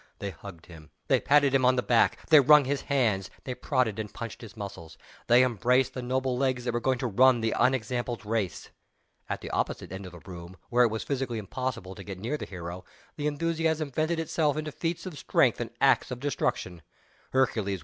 They hugged him. They patted him on the back. They wrung his hands. They prodded and punched his muscles. They embraced the noble legs that were going to run the unexampled race. At the opposite end of the room, where it was physically impossible to get near the hero, the enthusiasm vented itself in feats of strength and acts of destruction. Hercules I.